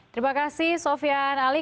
terima kasih sofian ali